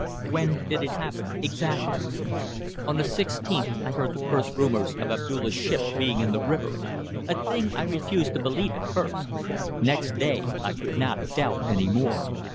"When did it happen exactly?" "On the sixteenth I heard the first rumours of Abdulla's ship being in the river; a thing I refused to believe at first. Next day I could not doubt any more.